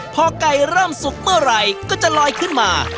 พอไก่เริ่มสุกเมื่อไหร่ก็จะลอยขึ้นมา